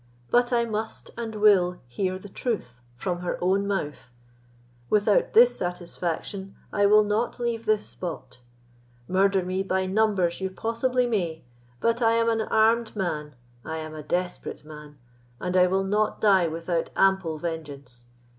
But I must and will hear the truth from her own mouth; without this satisfaction I will not leave this spot. Murder me by numbers you possibly may; but I am an armed man—I am a desperate man, and I will not die without ample vengeance.